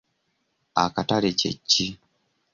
Akatale kye ki?